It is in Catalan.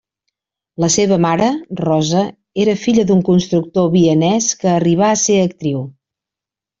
La seva mare, Rosa, era filla d'un constructor vienès que arribà a ser actriu.